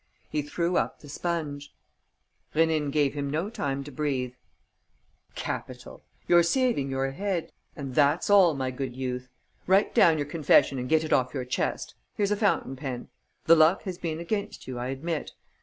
He threw up the sponge. Rénine gave him no time to breathe: "Capital! You're saving your head; and that's all, my good youth! Write down your confession and get it off your chest. Here's a fountain pen.... The luck has been against you, I admit.